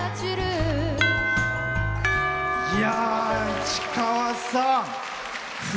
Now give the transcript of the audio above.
市川さん。